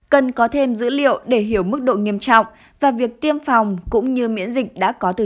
cần có thêm dữ liệu để hiểu mức độ nghiêm trọng và việc tiêm phòng cũng như miễn dịch đã có từ